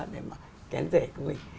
để mà kén rẻ của mình